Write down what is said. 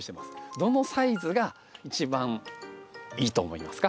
どのサイズが一番いいと思いますか？